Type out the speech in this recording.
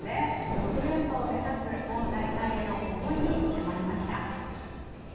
６連覇を目指す今大会への思いに迫りました。